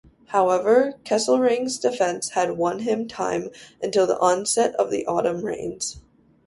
However, Kesselring's defence had won him time until the onset of the autumn rains.